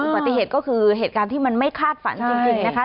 ปฏิเหตุก็คือเหตุการณ์ที่มันไม่คาดฝันจริงนะคะ